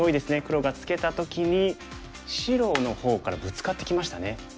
黒がツケた時に白の方からブツカってきましたね。